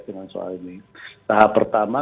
dengan soal ini tahap pertama